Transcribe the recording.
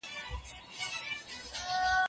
که چپلی په پښو کړو نو پښې نه خوږیږي.